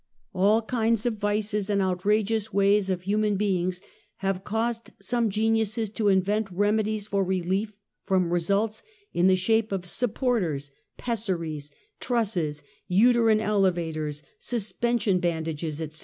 All kinds of vices and outrageous ways of human beings has caused some geniuses to invent remedies for relief from results in the shape of supporters, pessaries, trusses, uterine elevators, suspension ban dages, etc.